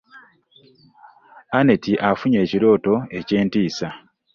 Annet afunye ekirooto eky'entisa.